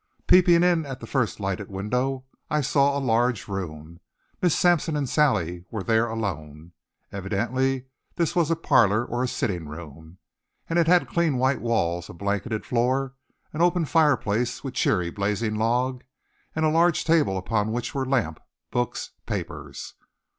Peeping in at the first lighted window I saw a large room. Miss Sampson and Sally were there alone. Evidently this was a parlor or a sitting room, and it had clean white walls, a blanketed floor, an open fireplace with a cheery blazing log, and a large table upon which were lamp, books, papers.